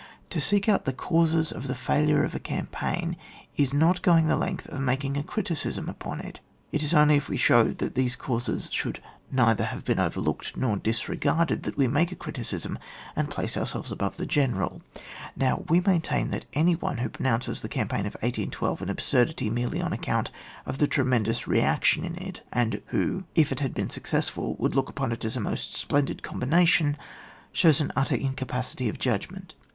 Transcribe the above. To seek out the causes of the failure of a campaign, is not going the length of making a criticism upon it ; it is only if we show that these causes should neither have been overlooked nor disregarded that we make a criticism and place ourselves above the General. Now we maintain that any one who pronounces the campaign of 1812 an ab surdity merely on account of the tremen dous reaction in it, and who, if it had been successful, would look upon it as a most splendid combination, shows an utter in capacity of judgment.